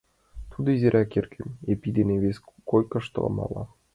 Тудо изирак эргым, Епи дене, вес койкышто мала.